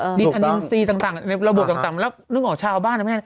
อ่าดินอันนิวซีต่างต่างในระบบต่างต่างแล้วนึกออกชาวบ้าน